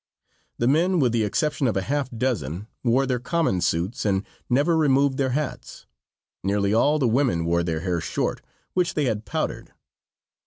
The men, with the exception of a half dozen, wore their common suits, and never removed their hats. Nearly all the women wore their hair short, which they had powdered.